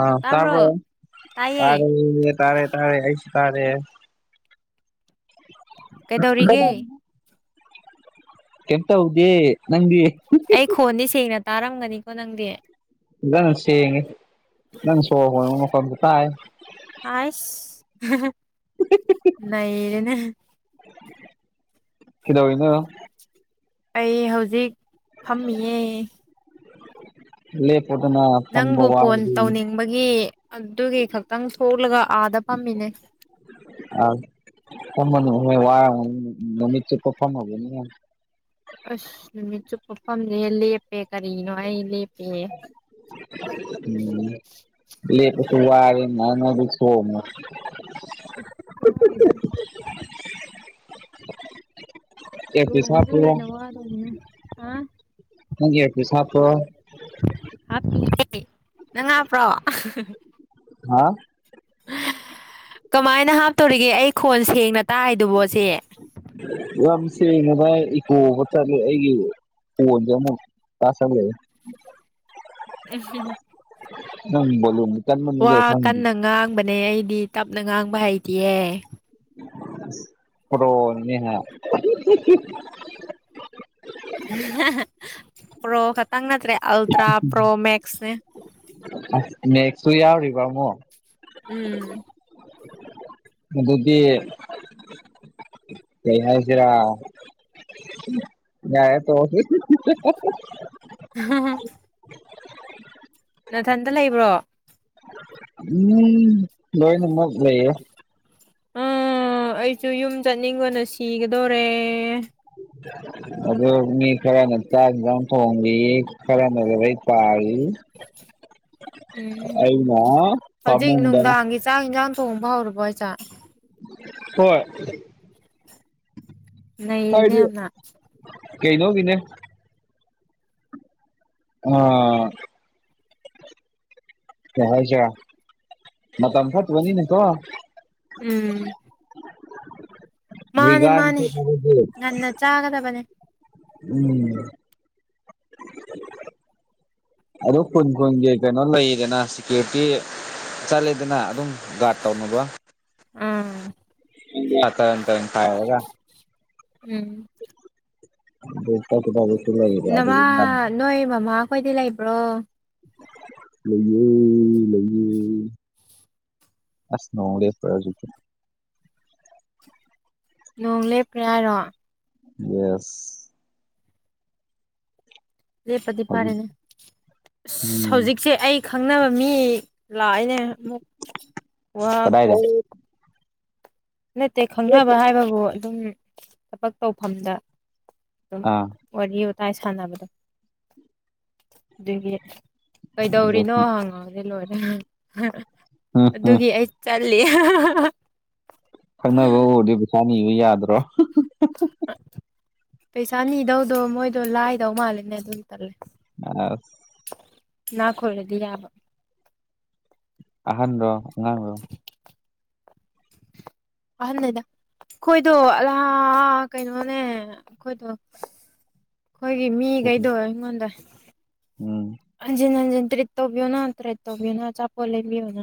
ꯑ ꯇꯥꯕ꯭ꯔꯣ ꯇꯥꯄ ꯇꯥꯏꯌꯦ ꯇ ꯇꯥꯔꯦ ꯇꯥꯔꯦ ꯑꯁꯤ ꯇꯔꯦ ꯀꯩꯗꯧꯔꯤꯒꯦ ꯀꯇ ꯍꯥꯎꯗꯦ ꯅꯪ ꯑꯩ ꯈꯣꯟꯗꯤ ꯁꯦꯡꯅ ꯇꯥꯔꯝꯒꯅꯤꯀꯣ ꯅꯪꯗꯤ ꯅꯪ ꯁꯦꯡꯉꯦ ꯅꯪ ꯁꯣꯛꯈꯣ ꯃꯐꯝꯗꯨ ꯇꯥꯏ ꯍꯁ ꯂꯩꯔꯅꯦ ꯀꯗ ꯑꯣꯏꯅ ꯑꯩ ꯍꯧꯖꯤꯛ ꯐꯝꯃꯤꯌꯦ ꯂꯦ ꯄꯗꯨꯅ ꯅꯪꯕꯨ ꯐꯣꯟ ꯇꯧꯅꯤꯡꯕꯒꯤ ꯑꯗꯨꯒꯤ ꯈꯛꯇꯪ ꯊꯣꯛꯂꯒ ꯑꯥꯗ ꯄꯥꯝꯃꯤꯅꯦ ꯑ ꯀ ꯃ ꯋꯥ ꯃꯃꯤ ꯀ ꯐꯣꯟ ꯍꯅꯤ ꯑꯁ ꯅꯨꯃꯤꯠ ꯆꯨꯞꯄ ꯐꯝꯗꯦ ꯂꯦꯞꯄꯦ ꯀꯔꯤꯅꯣ ꯑꯩ ꯂꯦꯞꯄꯦ ꯎꯝ ꯂ ꯄꯁꯨ ꯋꯥꯔ ꯅꯅꯕꯨ ꯁ ꯑꯁ ꯍꯥꯏꯗ ꯑꯣ ꯑꯦꯌꯔꯄꯤꯁ ꯍꯥꯞꯄ꯭ꯔꯣ ꯃꯗꯨꯦꯅ ꯑꯔꯅ ꯑ ꯍꯪꯦꯦ ꯁꯥꯞ ꯍꯥꯄꯤꯦ ꯅꯪ ꯍꯥꯕ꯭ꯔꯣ ꯍꯥ ꯀꯃꯥꯏꯅ ꯍꯥꯞꯇꯧꯔꯤꯒꯦ ꯑꯩ ꯈꯣꯟ ꯁꯦꯡꯅ ꯇꯥꯏꯗꯨꯕꯣꯁꯦ ꯂꯝꯁꯤ ꯉꯚꯥꯏ ꯏꯀꯣ ꯑꯩꯒꯤ ꯑꯣꯖꯃ ꯇꯥꯁꯒꯦ ꯎꯝ ꯎꯝꯣꯣ ꯋꯥ ꯀꯟꯅ ꯉꯥꯡꯕꯅꯦ ꯑꯩꯗꯤ ꯇꯞꯅ ꯉꯥꯡꯕ ꯍꯩꯇꯌꯦ ꯍꯣꯅꯤꯍ ꯄ꯭ꯔꯣ ꯈꯛꯇꯪ ꯅꯠꯇ꯭ꯔꯦ ꯑꯜꯇ꯭ꯔꯥ ꯄ꯭ꯔꯣ ꯃꯦꯛꯁꯅꯦ ꯅꯦꯛꯁ ꯎꯔꯔꯤꯕ ꯃꯣ ꯎꯝ ꯕꯨꯗꯤ ꯀ ꯍꯥꯏ ꯍꯥꯏꯁꯤꯔꯥ ꯌꯥꯏ ꯇ ꯍ ꯅꯅꯥꯊꯟꯇ ꯂꯩꯕ꯭ꯔꯣ ꯎꯝ ꯂꯣꯏꯅꯦ ꯃꯛ ꯂꯣꯏꯌꯦ ꯑꯥ ꯑꯩꯁꯨ ꯌꯨꯝ ꯆꯠꯅꯤꯡꯕꯅ ꯁꯤꯒꯗꯣꯔꯦ ꯑ ꯑꯗꯣ ꯃꯤ ꯈꯔꯅ ꯆꯥꯛ ꯍꯦꯟꯖꯥꯡ ꯊꯣꯟꯒꯦꯌꯦ ꯈꯔꯅꯔꯦ ꯇꯜꯂꯤ [unintelligible] ꯎꯝ ꯍꯧꯖꯤꯛ ꯐꯃꯨꯡꯗ ꯅꯨꯡꯗꯥꯡꯒꯤ ꯆꯥꯛ ꯌꯦꯟꯁꯥꯡ ꯊꯣꯡꯕ ꯍꯧꯔꯕꯣ ꯑꯩꯁꯥꯛ ꯍꯣꯏ ꯅꯔꯤꯅꯦ ꯌꯥꯝꯅ ꯀꯩꯩꯅꯣ ꯀꯅꯦ ꯑꯣ ꯀꯩ ꯍꯥꯏꯁꯤꯔ ꯃꯇꯝ ꯐꯠꯇꯕꯅꯤꯅ ꯀꯣ ꯎꯝ ꯃꯥꯅꯦ ꯒꯥꯟꯇ ꯃꯥꯅꯦ ꯉꯟꯅ ꯆꯥꯒꯗꯕꯅꯦ [inaudible] ꯎꯝ [unintelligible] ꯑꯗꯨ ꯈꯨꯟ ꯈꯨꯟꯒꯤ ꯀꯩꯅꯣ ꯂꯩꯔꯤꯗꯅ ꯁꯤꯀ꯭ꯌꯨꯔꯤꯇꯤ ꯆꯠꯂꯤꯗꯅ ꯑꯗꯨꯝ ꯀꯥꯠ ꯇꯧꯅꯕ ꯎꯝ ꯑ ꯇ ꯇꯔꯅ ꯈꯑꯦꯒ [inaudible] ꯎꯝ ꯇꯕ ꯆ ꯂꯩꯦ ꯅꯃꯥ ꯑꯗꯨꯗ [inaudible] ꯅꯣꯏ ꯃꯃꯥ ꯈꯣꯏꯗꯤ ꯂꯩꯕ꯭ꯔꯣ ꯂꯩꯌꯦ ꯂꯩꯌꯦ ꯑꯁ ꯅꯣꯡꯈꯔꯦ ꯍꯧꯖꯤꯛꯇꯤ ꯅꯣꯡ ꯂꯦꯞꯈꯔꯦ ꯍꯥꯏꯔꯣ ꯌꯦꯁ ꯂꯦꯞꯄꯗꯤ ꯍꯧꯖꯤꯛ ꯐꯥꯔꯦꯅꯦ ꯑꯁ ꯎꯝ ꯍꯧꯖꯤꯛꯁꯦ ꯑꯩ ꯈꯪꯅꯕ ꯃꯤ ꯂꯥꯛꯑꯅꯦ ꯑꯃꯨꯛ ꯋꯥ ꯀꯗꯥꯏꯗ ꯅꯠꯇꯦ ꯈꯪꯅꯕ ꯍꯥꯏꯕꯕꯨ ꯑꯗꯨꯝ ꯊꯕꯛ ꯇꯧꯐꯝꯗ ꯑꯗꯨꯝ ꯑꯥ ꯋꯥꯔꯤ ꯋꯥꯇꯥꯏ ꯁꯥꯟꯅꯕꯗꯣ ꯑꯗꯨꯒꯤ ꯑꯗꯨ ꯀꯩꯗꯧꯔꯤꯅꯣ ꯍꯪꯉꯣ ꯂꯣꯏꯔꯦ ꯎꯝ ꯎꯝ ꯑꯗꯨꯒꯤ ꯑꯩ ꯇꯥꯜꯂꯤꯍꯦ ꯈꯪꯅꯕ ꯎꯔꯗꯤ ꯄꯩꯁꯥ ꯅꯤꯕ ꯌꯥꯗ꯭ꯔꯣ ꯄꯩꯁꯥꯅꯤꯗꯧꯗꯣ ꯃꯣꯏꯗꯣ ꯂꯥꯏꯗꯧ ꯃꯥꯜꯂꯦꯅꯦ ꯑꯗꯨꯝ ꯇꯜꯂꯦ ꯑꯁ ꯢꯅꯛ ꯈꯨꯜꯂꯗꯤ ꯌꯥꯕ ꯑꯍꯟ ꯔꯣ ꯑꯉꯥꯡ ꯔꯣ ꯑꯍꯥꯟꯅꯤꯗ ꯑꯩꯈꯣꯏꯗꯣ ꯑꯜꯂꯥ ꯀꯩꯅꯣꯅꯦ ꯑꯩꯈꯣꯏꯗꯣ ꯑꯩꯈꯣꯏꯒꯤ ꯃꯤ ꯀꯩꯗꯣ ꯑꯩꯉꯣꯟꯗ ꯎꯝ ꯍꯟꯖꯤꯟ ꯍꯟꯖꯤꯟ ꯇꯔꯦꯠ ꯇꯧꯕꯤꯌꯨꯅ ꯇꯔꯦꯠ ꯇꯧꯕꯤꯌꯨꯅ ꯑꯆꯥꯄꯣꯠ ꯂꯩꯕꯤꯌꯣꯅ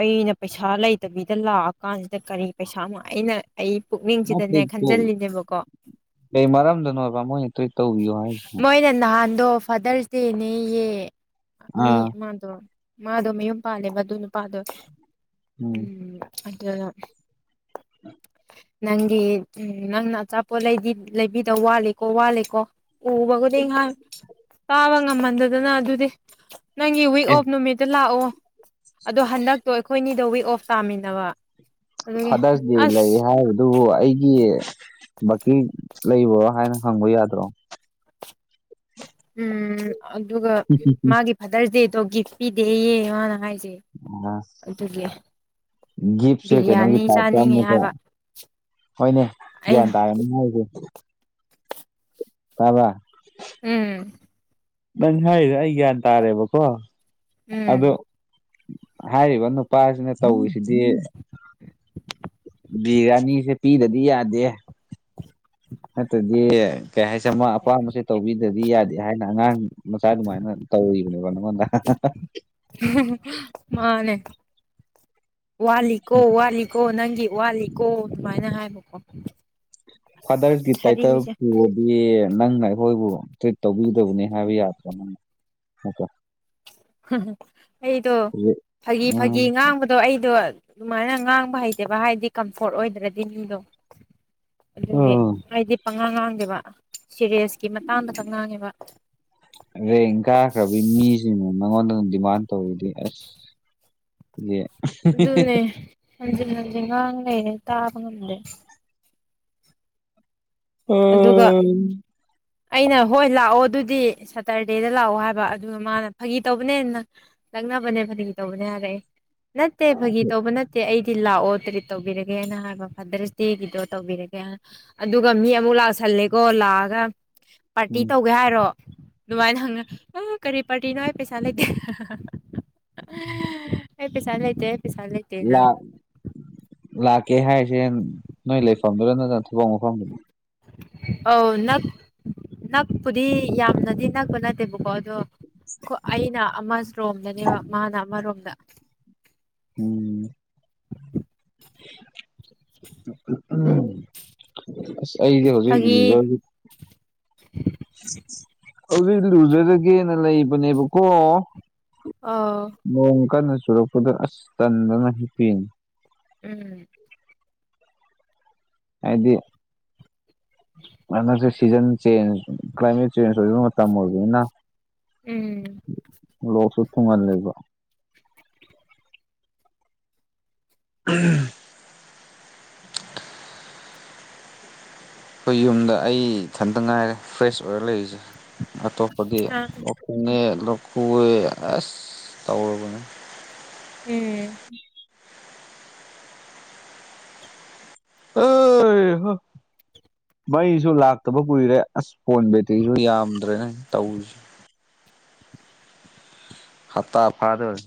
ꯑꯩꯅ ꯄꯩꯁꯥ ꯂꯩꯇꯕꯤꯗ ꯂꯥꯛꯑꯀꯥꯟꯁꯤꯗ ꯀꯔꯤ ꯄꯩꯁꯥ ꯑꯃ ꯑꯩꯅ ꯑꯩ ꯅꯠꯇꯦ ꯄꯨꯛꯅꯤꯡꯁꯤꯗꯅꯦ ꯈꯟꯖꯤꯜꯂꯤꯅꯦꯕꯀꯣ ꯀꯩ ꯃꯔꯝꯗꯅꯣꯕ ꯃꯣꯏ ꯃꯣꯏꯅ ꯅꯍꯥꯟꯗꯣ ꯐꯥꯗꯔ ꯇꯦꯅꯦꯌꯦ ꯃꯤ ꯑꯥ ꯃꯥꯗꯣ ꯃꯥꯗꯣ ꯃꯌꯨꯝ ꯄꯥꯜꯂꯦꯕꯗꯨ ꯅꯨꯄꯥꯗꯣ ꯎꯝ ꯑꯗꯨꯗ ꯎ [inaudible] ꯅꯪꯒꯤ ꯅꯪꯅ ꯑꯆꯥꯄꯣꯠꯗꯤ ꯂꯩꯕꯤꯗ ꯋꯥꯠꯂꯤꯀꯣ ꯋꯥꯠꯂꯤꯀꯣ ꯎꯕꯕꯨꯗꯤ ꯉꯍꯥꯏ ꯇꯥꯕ ꯉꯝꯍꯟꯗꯗꯅ ꯑꯗꯨꯗꯤ ꯅꯪꯒꯤ ꯋꯤꯛ ꯑꯦ ꯑꯣꯐ ꯅꯨꯃꯤꯠꯇ ꯂꯥꯛꯑꯣ ꯑꯗꯣ ꯍꯟꯗꯛꯇꯣ ꯑꯩꯈꯣꯏꯅꯤꯗꯣ ꯋꯤꯛ ꯑꯣꯐ ꯇꯥꯃꯤꯟꯅꯕ ꯑꯗꯨꯒꯤ ꯐꯥꯗꯔ ꯗꯦ ꯑꯁ ꯂꯩ ꯍꯥꯏ ꯑꯗꯨꯕꯨ ꯑꯩꯒꯤ ꯕꯀꯤ ꯂꯩꯕ꯭ꯔꯣ ꯍꯥꯏꯅ ꯍꯪꯕ ꯌꯥꯗ꯭ꯔꯣ ꯎꯝ ꯑꯗꯨꯒ ꯃꯥꯒꯤ ꯐꯥꯗꯔꯁ ꯗꯦꯗꯣ ꯒꯤꯐ ꯄꯤꯗꯦꯌꯦ ꯃꯥꯅ ꯍꯥꯏꯁꯦ ꯑꯗꯨꯒꯤ ꯒꯤꯞꯁꯦ ꯀꯩꯅꯣꯒꯤ ꯕꯤꯔꯌꯥꯅꯤ ꯇꯥꯏꯞꯇ ꯆꯥꯅꯤꯡꯉꯦ ꯑꯃꯨꯀ ꯍꯥꯏꯕ ꯍꯣꯏꯅꯦ ꯑꯩꯅ ꯒ꯭ꯌꯥꯟ ꯇꯥꯔꯅꯤ ꯍꯥꯏꯁꯦ ꯇꯥꯕ ꯎꯝ ꯅꯪ ꯍꯥꯏꯗꫭ ꯑꯩ ꯒ꯭ꯌꯥꯟ ꯇꯥꯔꯦꯕꯀꯣ ꯎꯝ ꯑꯗꫭ ꯍꯥꯏꯔꯤꯕ ꯅꯨꯄꯥꯁꯤꯅ ꯇꯧꯔꯤꯁꯤꯗꯤ ꯕꯤꯔꯌꯥꯅꯤꯁꯦ ꯄꯤꯗꯗꯤ ꯌꯥꯗꯦ [inaudible] ꯅꯠꯇ꯭ꯔꯗꯤ ꯀꯩ ꯍꯥꯏꯁꯦ ꯑꯃ ꯑꯄꯥꯝꯕꯁꯦ ꯇꯧꯕꯤꯗꯗꯤ ꯌꯥꯗꯦ ꯍꯥꯏꯅ ꯑꯉꯥꯡ ꯃꯆꯥ ꯑꯗꯨꯃꯥꯏꯅ ꯇꯧꯔꯤꯕꯅꯦꯕ ꯅꯪꯉꯣꯟꯗ ꯃꯥꯅꯦ ꯋꯥꯠꯂꯤ ꯀꯣ ꯋꯥꯠꯂꯤ ꯀꯣ ꯅꯪꯒꯤ ꯋꯥꯠꯂꯤꯀꯣ ꯑꯗꯨꯃꯥꯏꯅ ꯍꯥꯏꯕꯀꯣ ꯐꯗꯔꯁ ꯒꯤ ꯇꯥꯏꯇꯜ ꯁꯥꯔꯤꯁꯦ ꯄꯨꯋꫭ ꯌꯦ ꯅꯪꯅ ꯑꯩꯈꯣꯏꯕꯨ ꯇ꯭ꯔꯤꯠ ꯇꯧꯕꯤꯒꯗꯕꯅꯦ ꯍꯥꯏꯕ ꯌꯥꯗ꯭ꯔꯥ ꯅꯪꯅ ꯅꯠꯇ꯭ꯔ [unintelligible] ꯑꯩꯗꯣ ꯍꯧꯖꯤꯛ ꯐꯥꯒꯤ ꯎꯝ ꯐꯥꯒꯤ ꯉꯥꯡꯕ ꯑꯗꯣ ꯑꯩꯗꯣ ꯑꯗꯨꯃꯥꯏꯅ ꯉꯥꯡꯕ ꯍꯩꯇꯦꯕ ꯍꯥꯏꯗꯤ ꯀꯝꯐꯣꯔꯠ ꯑꯣꯏꯗ꯭ꯔꯗꯤ ꯃꯤꯗꯣ ꯑꯗꯨꯒꯤ ꯍꯥꯏꯗꯤ ꯄꯉꯥ ꯉꯥꯡꯗꯦꯕ ꯁꯤꯔꯦꯁꯀꯤ ꯃꯇꯥꯡꯗ ꯈꯪ ꯉꯥꯡꯉꯦꯕ [unintelligible] ꯅꯉꯣꯟꯗ ꯑꯗꯨꯝ ꯗꯤꯃꯥꯟ ꯇꯧꯋꯔꯤꯗꯤ ꯑꯁ ꯁꯤꯗꯤ ꯑꯗꯨꯅꯦ ꯍꯟꯖꯤꯟ ꯍꯟꯖꯤꯟ ꯉꯥꯡ ꯂꯩꯩꯅꯦ ꯇꯥꯕ ꯉꯝꯗꯦ ꯑꯗꯨꯒ ꯎꯝ ꯑꯩꯅ ꯍꯣꯏ ꯂꯥꯛꯑꯣ ꯑꯗꯨꯗꯤ ꯁꯇꯔꯗꯦꯗ ꯂꯥꯛꯑꯣ ꯍꯥꯏꯕ ꯑꯗꯨꯒ ꯃꯥꯅ ꯐꯥꯒꯤ ꯇꯧꯕꯅꯦ ꯅꯪ ꯅꯛꯅꯕꯅꯦ ꯐꯥꯒꯤ ꯇꯧꯕꯅꯦ ꯍꯥꯏꯕ ꯑꯩ ꯅꯠꯇꯦ ꯐꯥꯒꯤ ꯇꯧꯕ ꯅꯠ ꯇꯦ ꯑꯩꯗꯤ ꯂꯥꯛꯑꯣ ꯇꯔꯤꯠ ꯇꯧꯕꯤꯔꯒꯦꯅ ꯍꯥꯏꯕ ꯐꯥꯗꯔꯁ ꯗꯦꯒꯤꯗꯣ ꯇꯧꯕꯤꯔꯒꯦꯅ ꯑꯗꯨꯒ ꯃꯤ ꯑꯝ ꯑꯃꯨꯛ ꯂꯥꯛꯁꯜꯂꯦꯀꯣ ꯂꯥꯛꯑꯒ ꯄꯥꯔꯇꯤ ꯇꯧꯒꯦ ꯍꯥꯏꯔꯣ ꯑꯗꯨꯅꯨꯡꯃꯥꯏꯅ ꯍꯪꯉ ꯑ ꯀꯔꯤ ꯄꯥꯔꯇꯤꯅꯣ ꯑꯩ ꯄꯩꯁꯥ ꯂꯩꯇꯦ [unintelligible] ꯑꯦ ꯑꯩ ꯄꯩꯁꯥ ꯑꯩ ꯄꯩꯁꯥ ꯂꯩ ꯂꯥꯛ ꯂꯥꯛꯀꯦ ꯍꯥꯏꯁꯦ ꯅꯣꯏ ꯂꯩꯐꯝꯗꯨꯔ ꯅꯠꯇꯅ ꯊꯕꯛ ꯃꯐꯝꯗꯨꯔ ꯑꯧ ꯅꯛ ꯅꯛꯄꯨꯗꯤ ꯌꯥꯝꯅꯗꯤ ꯅꯛꯄ ꯅꯠꯇꯦꯕꯀꯣ ꯑꯗꯣ ꯀꯣ ꯑꯩꯅ ꯑꯃꯔꯣꯝꯗꯅꯦꯕ ꯃꯥꯅ ꯑꯃꯔꯣꯝꯗ ꯎꯝ ꯎꯝ ꯑꯁ ꯑꯩꯁꯦ ꯍꯧꯖꯤꯛ ꯐꯥꯒꯤ ꯂꯨꯖꯒꯤ ꯍꯧꯖꯤꯛ ꯂꯨꯖꯔꯒꯦꯅ ꯂꯩꯕꯅꯦꯕꯀꯣ ꯑꯥ ꯅꯣꯡ ꯀꯟꯅ ꯆꯨꯔꯛꯄꯗ ꯑꯁ ꯇꯟꯗꯅ ꯍꯤꯄꯤꯅꯤ ꯎꯝ ꯍꯥꯏꯗꯤ ꯍꯟꯗꯛꯁꯦ ꯁꯤꯖꯟ ꯆꯦꯟꯖ ꯀ꯭ꯂꯥꯏꯃꯦꯠ ꯆꯦꯟꯖ ꯑꯣꯏꯕ ꯃꯇꯝ ꯑꯣꯏꯕꯅꯤꯅ ꯎꯝ ꯂꯣꯛꯁꯨ ꯊꯨꯡꯍꯜ ꯂꯩꯕ [unintelligible] ꯑꯩꯈꯣꯏ ꯌꯨꯝꯗ ꯑꯩ ꯏꯊꯟꯇ ꯉꯥꯏꯔꯦ ꯐ꯭ꯔꯦꯁ ꯑꯣꯏꯔ ꯂꯩꯔꯤꯁꯦ ꯑꯇꯣꯞꯄꯒꯤ ꯍꯥ ꯊꯨꯡꯉꯦ ꯂꫭꯛ ꯈꯨꯋꯦ ꯑꯦꯁ ꯇꯧꯔꯕꯅꯦ ꯎꯝ [unintelligible] ꯃꯩꯁꯨ ꯂꯥꯛꯇꯕ ꯀꯨꯏꯔꯦ ꯑꯁ ꯐꯣꯟ ꯕꯦꯇ꯭ꯔꯤꯁꯨ ꯌꯥꯝꯗ꯭ꯔꯦꯅꯦ ꯇꯧꯔꯤꯁꯦ ꯍꯞꯇꯥ ꯐꯥꯗꫭꯔꯦ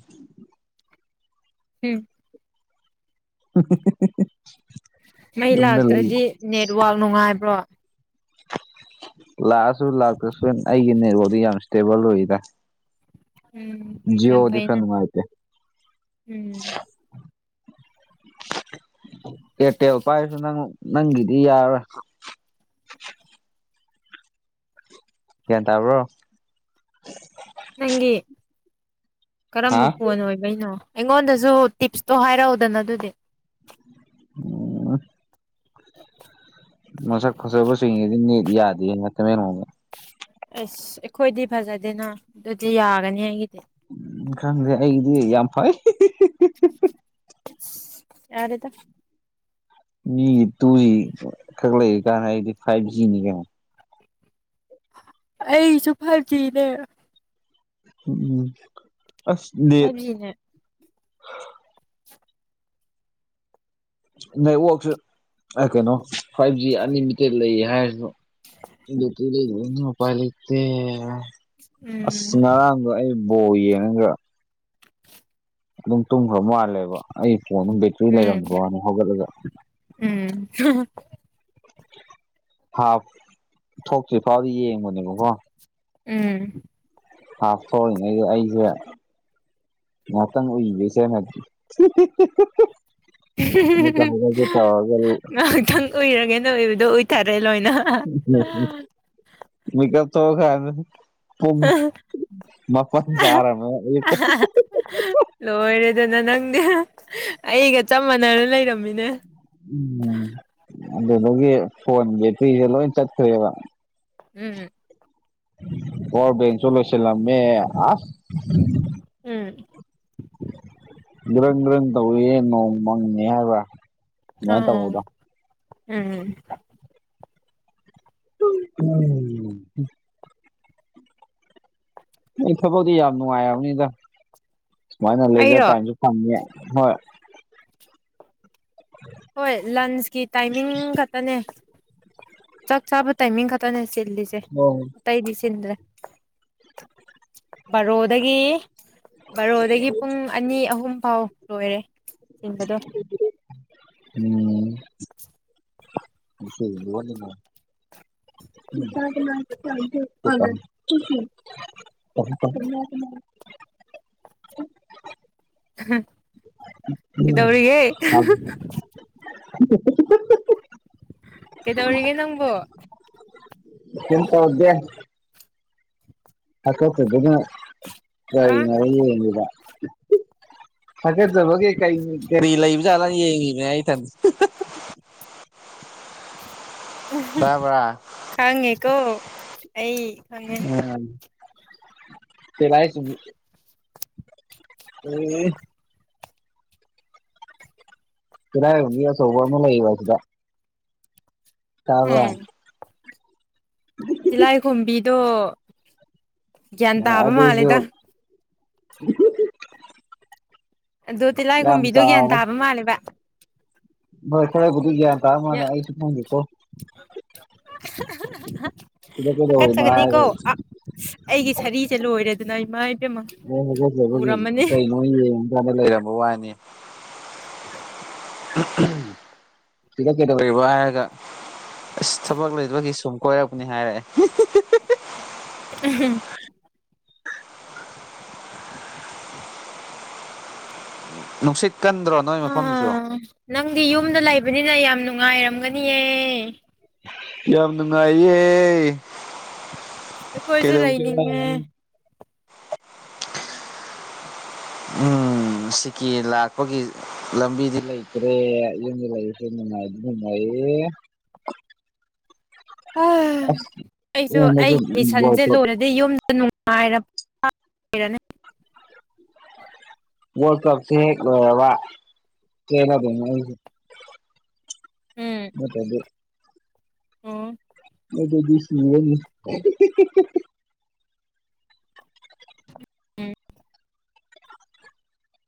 ꯎꯝ [unintelligible] ꯃꯩ ꯌꯨꯝꯗ ꯂꯩ ꯂꯥꯛꯇ꯭ꯔꯗꯤ ꯅꯦꯠꯋꯥꯛ ꯅꯨꯡꯉꯥꯏꯕ꯭ꯔꯣ ꯂꯥꯛꯑꯁꯨ ꯂꯥꯛꯇ꯭ꯔꯁꯨ ꯑꯩꯒꯤ ꯅꯦꯠꯋꯗꯤ ꯌꯥꯝ ꯏꯁꯇꯦꯕꯜ ꯑꯣꯏꯗ ꯎꯝ ꯖꯤ ꯌꯥꯝ ꯑꯣꯗꯤ ꯐꯩꯅ ꯈꯔ ꯅꯨꯡꯉꯥꯢꯇꯦ ꯎꯝ ꯀꯔꯇꯦꯜ ꯄꯥꯏꯔꯁꯨ ꯅꯪ ꯅꯪꯒꯤꯗꯤ ꯌꯥꯔꯣꯏ ꯒꯉꯥ꯭ꯟ ꯇꯕ꯭ꯔꯣ ꯅꯪꯒꯤ ꯀꯔꯝꯕ ꯍꯥ ꯐꯣꯟ ꯑꯣꯏꯕꯩꯅꯣ ꯑꯩꯉꯣꯟꯗꯁꯨ ꯇꯤꯞꯁꯇꯣ ꯍꯥꯏꯔꯛꯎꯗꯅ ꯑꯗꯨꯗꯤ ꯎꯝ ꯃꯁꯛ ꯐꯖꯕꯁꯤꯡ ꯌꯦꯡꯅꯤꯡꯉꯤ ꯅꯦꯠ ꯌꯥꯗꯦ ꯑꯁ ꯑꯩꯈꯣꯏꯗꯤ ꯐꯖꯗꯦꯅ ꯑꯗꯨꯗꯤ ꯌꯥꯒꯅꯤ ꯑꯩꯒꯤꯗꯤ ꯎꯝ ꯈꯪꯗꯦ ꯑꯩꯒꯤꯗꯤ ꯌꯥꯝ ꯐꯩ ꯌꯥꯔꯦꯗ ꯃꯤꯒꯤ ꯇꯨ ꯖꯤ ꯈꯛ ꯂꯩꯔꯤ ꯀꯥꯟꯅ ꯑꯩꯗꯤ ꯐꯥꯏꯚ ꯖꯤꯅꯤ ꯀꯩꯅꯣ ꯑꯩꯁꯨ ꯐꯥꯢꯚꯖꯤꯅꯦ ꯎꯝ ꯎꯝ ꯑꯁ ꯅꯦꯠ ꯐꯥꯏꯚ ꯖꯤꯅꯦ ꯅꯦꯠꯋꯥꯛꯛꯁꯨ ꯀꯩꯅꯣ ꯐꯥꯏꯚ ꯖꯤ ꯑꯟꯂꯤꯃꯤꯇꯦꯠ ꯂꯩꯌꯦ ꯍꯥꯏꯔꯁꯨ [unintelligible] ꯎꯄꯥꯏ ꯂꯩꯇꯦ ꯑꯁ ꯎꯝ ꯉꯔꯥꯡꯗꯣ ꯑꯩ ꯕꯣꯜ ꯌꯦꯡꯉꯒ ꯑꯗꯨꯝ ꯇꯨꯝꯈ꯭ꯔ ꯃꯥꯜꯂꯦꯕ ꯑꯩ ꯐꯣꯟ ꯑꯗꯨꯝ ꯕꯦꯇ꯭ꯔꯤ ꯎꯝ ꯂꯩꯔꯝꯗ ꯋꯥꯅ ꯍꯧꯒꯠꯂꯒ ꯎꯝ ꯍꯥꯞ ꯊꯣꯛꯇ꯭ꯔꯤ ꯐꯥꯎꯗꯤ ꯌꯦꯡꯕꯅꯦꯕꯀꯣ ꯎꯝ [unintelligible] ꯉꯍꯥꯛꯇꯪ ꯎꯏꯁꯦꯅꯗꯤ [unintelligible] ꯉꯥꯏꯍꯥꯛꯇꯪ ꯎꯏꯔꯒꯦꯅ ꯑꯣꯏꯕꯗꯣ ꯎꯏꯊꯔꯦ ꯂꯣꯏꯅ ꯃꯀꯞ ꯊꯣꯛꯔꯛꯀꯥꯟꯗ ꯄꯨꯡ ꯃꯥꯄꯟ [unintelligible] ꯂꯣꯏꯔꯦꯗꯅ ꯅꯪꯗꯤ ꯑꯩꯒ ꯆꯞ ꯃꯥꯟꯅꯅ ꯂꯩꯔꯝꯃꯤꯅꯦ ꯎꯝ ꯑꯗꯨꯗꯒꯤ ꯐꯣꯟꯒꯤꯄꯤꯁꯦ ꯂꯣꯏ ꯆꯠꯈ꯭ꯔꯦꯕ ꯎꯝꯝ ꯄꯋꯔ ꯕꯦꯡꯁꯨ ꯂꯣꯏꯁꯜꯂꯝꯃꯦ ꯎꯝ ꯒ꯭ꯔꯟ ꯒ꯭ꯔꯟ ꯇꯧꯏꯦ ꯅꯣꯡ ꯃꯪꯅꯤ ꯍꯥꯏꯕ ꯑꯣ ꯎꯝ [unintelligible] ꯑꯩ ꯊꯕꯛꯇꯗꯤ ꯌꯥꯝ ꯅꯨꯡꯉꯥꯏꯕꯅꯤꯗ ꯁꯨꯃꯥꯏꯅ ꯂꯩꯖ ꯑꯩꯔꯣ ꯇꯥꯏꯝꯁꯨ ꯐꯪꯉꯦ ꯍꯣꯏ ꯍꯣꯏ ꯂꯟꯁꯀꯤ ꯇꯥꯏꯃꯤꯡ ꯈꯛꯇꯅꯦ ꯆꯥꯛ ꯆꯥꯕ ꯇꯥꯏꯃꯤꯡ ꯈꯛꯇꯅꯦ ꯆꯤꯜꯂꯤꯁꯦ ꯎꯝ ꯇꯩꯗꯤꯆꯤꯟꯗ꯭ꯔꯦ ꯕꯥꯔꯣꯗꯒꯤ ꯕꯥꯔꯣꯗꯒꯤ ꯄꯨꯡ ꯑꯅꯤ ꯑꯍꯨꯝ ꯐꯥꯎ ꯂꯣꯏꯔꯦ ꯆꯤꯟꯕꯗꯣ ꯎꯝ [unintelligible] [unintelligible] [inaudible] ꯀꯩ ꯗꯧꯔꯤꯒꯦ [unintelligible] ꯀꯩꯗꯧꯔꯤꯒꯦ ꯅꯪꯕꯣ ꯀꯩꯝꯇꯧꯗꯦ ꯍꯥ [unintelligible] ꯊꯒꯠꯆꯕꯒꯦ ꯀꯔꯤ ꯀꯔꯤ ꯂꯩꯕꯖꯥꯠꯅ ꯌꯦꯡꯉꯅꯦ ꯑꯩꯇ ꯇꯥꯕ꯭ꯔ ꯈꯪꯉꯦꯀꯣ ꯑꯩ ꯈꯪꯉꯦ ꯎꯝ [unintelligible] [unintelligible] ꯁꯤꯗꯥꯏ ꯁꯣ ꯋꯥ ꯑꯃ ꯂꯩ ꯋꯥꯁꯤꯗ ꯇꯥꯕ꯭ꯔ ꯎꯝ ꯑꯗꯨ ꯇꯤꯂꯥꯏꯈꯣꯝꯕꯤꯗꯣ ꯒ꯭ꯌꯥꯟ ꯇꯥꯕ ꯑꯗꯨꯁꯨ ꯃꯥꯜꯂꯦꯗ ꯑꯗꯣ ꯇꯤꯜꯍꯥꯏ ꯌꯥꯝ ꯀꯣꯨꯝꯕꯤꯗꯣ ꯒ꯭ꯌꯥꯟ ꯇꯥꯕ ꯃꯥꯜꯂꯦꯕ ꯃꯈꯣꯢꯒꯤꯗꯤ ꯒꯌꯤꯟ ꯇꯥꯕ ꯃꯥꯟꯅ ꯑꯩ ꯁꯨꯈꯪꯗꯦꯀꯣ ꯁꯤꯗ ꯐꯀꯠ ꯀꯩꯗꯧꯔꯤꯅꯣ ꯆꯅꯤ ꯀꯣ ꯍꯥꯏꯔꯒ ꯑꯩꯒꯤ ꯁꯔꯤꯁꯦ ꯂꯣꯏꯔꯦꯗꯅ ꯏꯃꯥ ꯏ ꯑꯦ ꯍꯧꯖꯤꯛꯁꯦ ꯍꯧꯖꯤꯛ ꯀꯩꯅꯣ ꯌꯦꯡꯉꯀꯥꯟꯗ ꯂꯩꯔꯝꯕ ꯋꯥꯅꯦ ꯀꯗ ꯀꯩꯗꯧꯔꯤꯕ ꯍꯥꯏꯔꯒ ꯑꯁ ꯊꯕꯛ ꯂꯩꯕꯒꯤ ꯁꯨꯝ ꯀꯣꯏꯔꯛꯄꯅꯤ ꯍꯥꯏꯔꯛꯑꯦ ꯎꯝ ꯅꯨꯡꯁꯤꯠ ꯀꯟꯗ꯭ꯔꯣ ꯅꯣꯏ ꯃꯐꯝꯗꯨꯁꯨ ꯑꯥ ꯅꯪꯗꯤ ꯌꯨꯝꯗ ꯂꯩꯕꯅꯤꯅ ꯌꯥꯝ ꯅꯨꯡꯉꯥꯏꯔꯝꯒꯅꯤꯌꯦ ꯌꯥꯝ ꯅꯨꯡꯉꯥꯏꯌꯦ ꯑꯩꯈꯣꯏꯁꯨ ꯀꯩꯗꯧꯁꯦ ꯂꯩꯅꯤꯡꯉꯦ ꯎꯝ ꯎꯝ ꯁꯤꯀꯤ ꯂꯥꯛꯄꯒꯤ ꯂꯝꯕꯤꯗꯤ ꯂꯩꯇ꯭ꯔꯦ ꯌꯨꯝꯗ ꯂꯩꯁꯨꯦ ꯅꯨꯡꯉꯥꯏ ꯅꯨꯉꯥꯏꯌꯦ ꯑ ꯑꯁ ꯑꯩꯁꯨ ꯌꯨꯝꯗꯁꯨ ꯑꯩꯒꯤ ꯋꯥꯔꯜ ꯁꯟꯁꯦ ꯀꯞ ꯂꯣꯏꯔꯗꯤ ꯑꯗꯩ ꯌꯨꯝꯗ ꯅꯨꯡꯉꯥꯏꯔꯔꯅꯤ ꯋꯔꯜ ꯀꯞꯁꯦ ꯂꯣꯢꯔꯕ ꯆꯦꯜꯗꯧꯅꯦ ꯑꯗꯤ ꯃ ꯑꯗꯨ ꯑꯣ ꯑꯩꯗ ꯁꯅꯤꯅꯤ ꯎꯝ